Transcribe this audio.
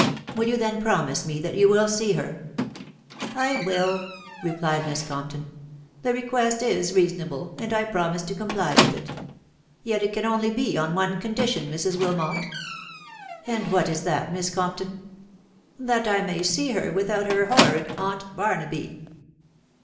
... Will you then promise me that you will see her ?"" I will," .... replied Miss Compton. " The request is reasonable, and I promise to comply with it. Yet it can only be on one condition, Mrs. Wymote " And what is that, Miss Compton ?"" That I may see her without her horrid aunt Barnaby."